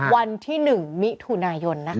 วันที่๑มิถุนายน